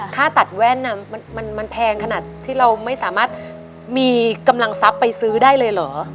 ค่าตัดแว่นมันแพงขนาดที่เราไม่สามารถมีกำลังทรัพย์ไปซื้อได้เลยเหรอ